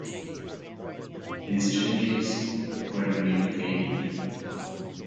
These changes gradually faded.